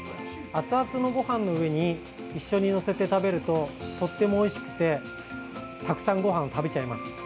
熱々のごはんの上に一緒に載せて食べるととってもおいしくてたくさんごはん食べちゃいます。